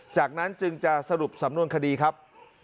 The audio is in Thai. จากนั้นจึงจะสรุปสำนวนคดีครับ